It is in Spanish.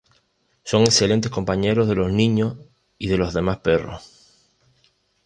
Son excelentes compañeros de los niños y de los demás perros.